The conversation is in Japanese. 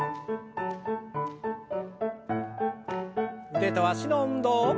腕と脚の運動。